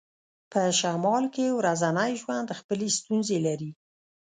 په شمال کې ورځنی ژوند خپلې ستونزې لري